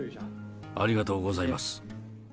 ありがとうございます。